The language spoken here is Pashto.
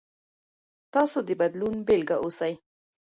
تاسو د بدلون بیلګه اوسئ.